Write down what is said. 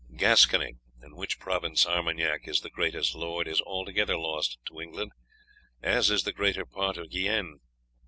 Gascony, in which province Armagnac is the greatest lord, is altogether lost to England, as is the greater part of Guienne.